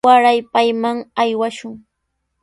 Waray payman aywashun.